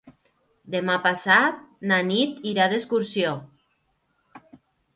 Demà passat na Nit irà d'excursió.